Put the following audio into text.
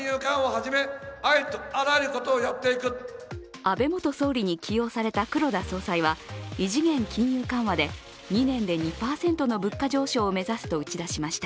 安倍元総理に起用された黒田総裁は異次元金融緩和で２年で２％の物価上昇を目指すと打ち出しました。